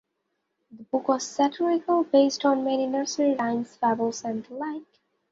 The book is satirical, based on many nursery rhymes, fables, and the like.